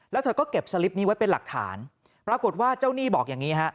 แล้วเธอก็เก็บสลิปนี้ไว้เป็นหลักฐานปรากฏว่าเจ้าหนี้บอกอย่างนี้ฮะ